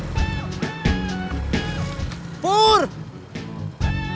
terus aku bunuh diri